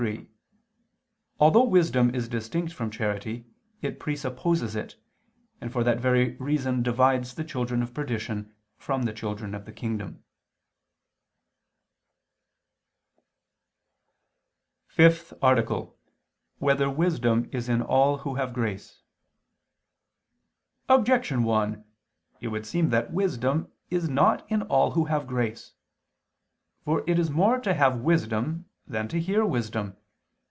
3: Although wisdom is distinct from charity, it presupposes it, and for that very reason divides the children of perdition from the children of the kingdom. _______________________ FIFTH ARTICLE [II II, Q. 45, Art. 5] Whether Wisdom Is in All Who Have Grace? Objection 1: It would seem that wisdom is not in all who have grace. For it is more to have wisdom than to hear wisdom.